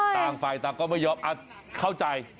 ต่างฝ่ายต่างก็ไม่ยอมเข้าใจ